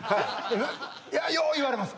よう言われます。